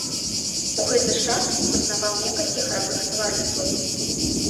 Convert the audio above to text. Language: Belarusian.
У гэты ж час заснаваў некалькі харавых таварыстваў.